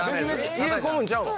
入れ込むんちゃうの？